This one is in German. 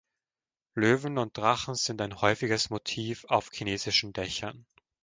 Löwen und Drachen sind ein häufiges Motiv auf chinesischen Dächern.